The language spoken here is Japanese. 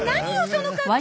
その格好。